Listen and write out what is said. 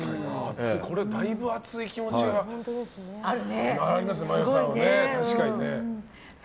だいぶ熱い気持ちがありますね。